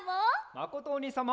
まことおにいさんも！